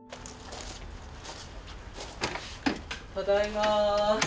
ただいま。